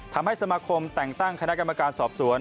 ทำให้สมาคมแต่งตั้งคณะกรรมการสอบสวน